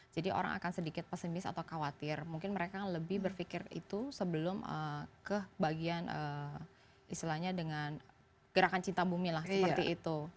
jadi orang akan sedikit pesimis atau khawatir mungkin mereka lebih berpikir itu sebelum ke bagian istilahnya dengan gerakan cinta bumi lah seperti itu